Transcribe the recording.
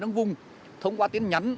trong vùng thông qua tiếng nhắn